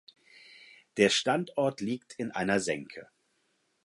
Der Standort liegt in einer Senke.